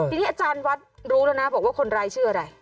ทีนี้อาจารย์วัดรู้แล้วนะบอกว่าคนร้ายชื่ออะไร